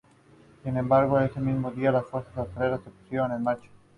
Beatriz fue reina consorte a su vez de ambos reinos hasta su muerte.